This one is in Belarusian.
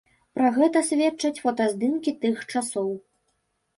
Пра гэта сведчаць фотаздымкі тых часоў.